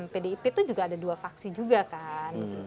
pdip itu juga ada dua faksi juga kan